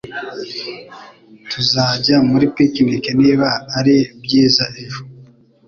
Tuzajya muri picnic niba ari byiza ejo.